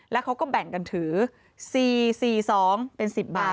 แล้วเขาก็แบ่งกันถือ๔๔๒เป็น๑๐บาท